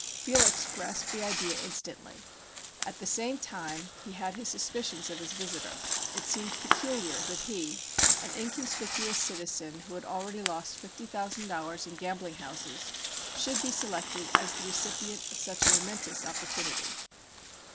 Felix grasped the idea instantly. At the same time he had his suspicions of his visitor. It seemed peculiar that he, an inconspicuous citizen who had already lost $50,000 in gambling houses, should be selected as the recipient of such a momentous opportunity.